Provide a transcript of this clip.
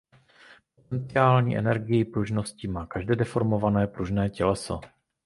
Potenciální energii pružnosti má každé deformované pružné těleso.